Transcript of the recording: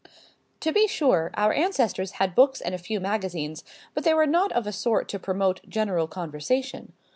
To be sure, our ancestors had books and a few magazines, but they were not of a sort to promote general conversation.